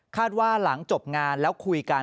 ว่าหลังจบงานแล้วคุยกัน